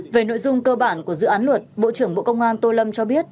về nội dung cơ bản của dự án luật bộ trưởng bộ công an tô lâm cho biết